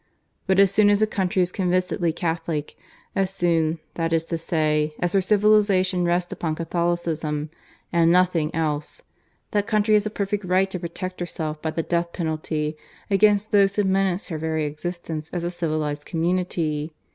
But, as soon as a country is convincedly Catholic as soon, that is to say, as her civilization rests upon Catholicism and nothing else, that country has a perfect right to protect herself by the death penalty against those who menace her very existence as a civilized community.